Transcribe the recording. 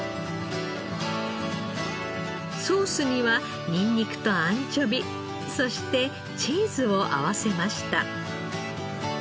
ソースにはニンニクとアンチョビそしてチーズを合わせました。